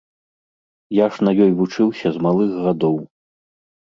Я ж на ёй вучыўся з малых гадоў.